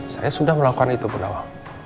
saya sudah melakukan itu bunda